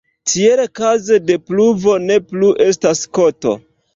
Tiel kaze de pluvo ne plu estas koto.